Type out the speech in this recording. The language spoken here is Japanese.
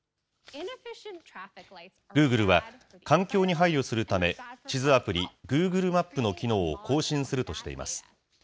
グーグルは、環境に配慮するため、地図アプリ、グーグルマップの機能を更新するとしています。